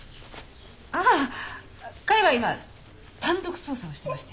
ああ彼は今単独捜査をしてまして。